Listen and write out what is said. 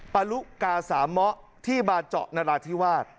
ปลุกาสามะที่บาเจาะนราธิวาส